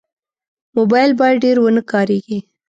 موبایل باید ډېر ونه کارېږي.